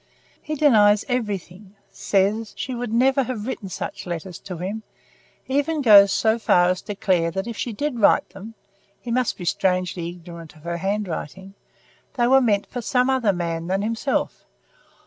"He denies everything. Said she would never have written such letters to him; even goes so far to declare that if she did write them (he must be strangely ignorant of her handwriting) they were meant for some other man than himself.